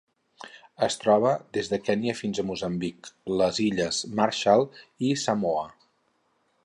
Es troba des de Kenya fins a Moçambic, les Illes Marshall i Samoa.